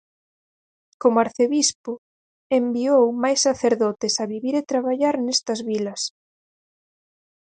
Como arcebispo, enviou máis sacerdotes a vivir e traballar nestas vilas.